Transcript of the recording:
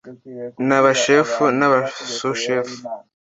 N abashefu n abasushefu